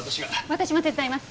私も手伝います。